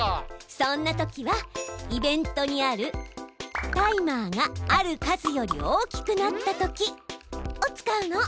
そんな時は「イベント」にある「タイマーがある数より大きくなった時」を使うの。